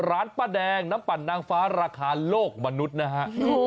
ร้านป้าแดงน้ำปั่นนางฟ้าราคาโลกมนุษย์นะฮะ